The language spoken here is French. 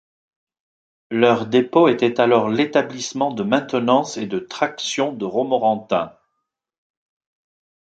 Leur dépôt était alors l'Établissement de Maintenance et de Traction de Romorantin.